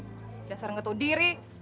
sudah terserah menggatuh diri